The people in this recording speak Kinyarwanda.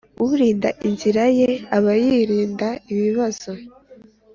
Urinda inzira ye aba yirinda ibibazo